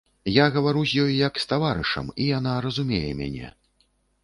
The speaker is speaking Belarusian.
Я гавару з ёй, як з таварышам, і яна разумее мяне.